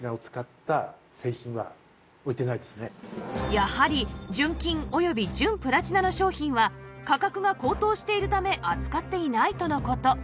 やはり純金および純プラチナの商品は価格が高騰しているため扱っていないとの事